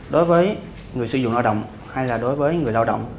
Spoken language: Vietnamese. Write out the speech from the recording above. đối với người sử dụng lao động hay là đối với người lao động